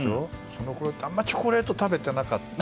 そのころってあんまりチョコレート食べてなかった。